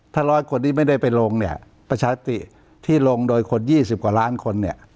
ถ้าร้อยคนที่ไม่ได้ไปลงเนี่ยประชาติที่ลงโดยคน๒๐กว่าล้านคนเนี่ย